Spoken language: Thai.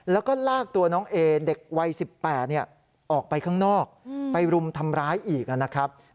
แล้วก็ลากตัวน้องเอเด็กวัย๑๘ออกไปข้างนอกไปรุมทำร้ายอีกนะครับ